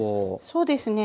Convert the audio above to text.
そうですね。